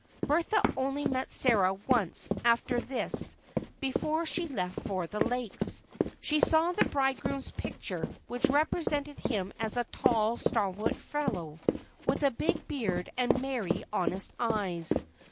Bertha only met Sarah once after this before she left for the Lakes. She saw the bridegroom's picture, which represented him as a tall, stalwart fellow, with a big beard and merry, honest eyes.